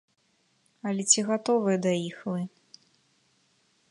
Але ці гатовыя ды іх вы?